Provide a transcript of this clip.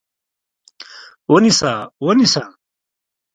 ونیسه! ونیسه!